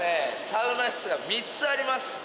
サウナ室が３つあります